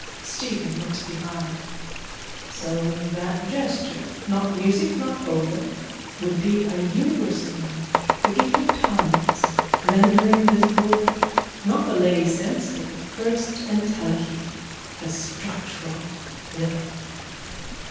STEPHEN: (Looks behind.) So that gesture, not music not odour, would be a universal language, the gift of tongues rendering visible not the lay sense but the first entelechy, the structural rhythm.